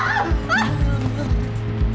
cuma sikik ini doang